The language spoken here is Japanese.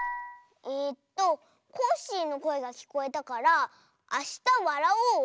えっとコッシーのこえがきこえたから「あしたわらおう」？